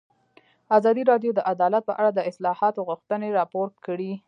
ازادي راډیو د عدالت په اړه د اصلاحاتو غوښتنې راپور کړې.